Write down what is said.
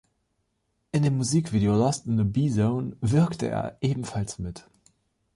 In dem Musikvideo "Lost in the B-Zone" wirkte er ebenfalls mit.